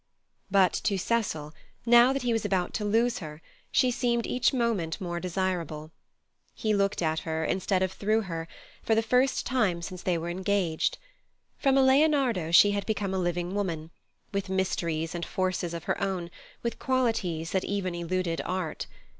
But to Cecil, now that he was about to lose her, she seemed each moment more desirable. He looked at her, instead of through her, for the first time since they were engaged. From a Leonardo she had become a living woman, with mysteries and forces of her own, with qualities that even eluded art.